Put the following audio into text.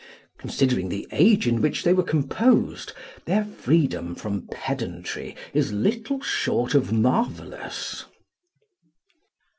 Considering the age in which they were composed, their freedom from pedantry is little short of marvelous.